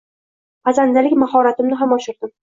Pazandalik mahoratimni ham oshirdim